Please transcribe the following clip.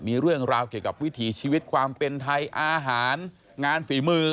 มีเรื่องราวเกี่ยวกับวิถีชีวิตความเป็นไทยอาหารงานฝีมือ